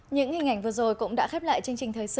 những hình ảnh vừa rồi cũng đã khép lại chương trình thời sự